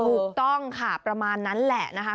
ถูกต้องค่ะประมาณนั้นแหละนะคะ